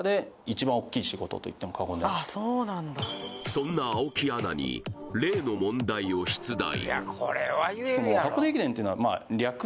そんな青木アナに例の問題を出題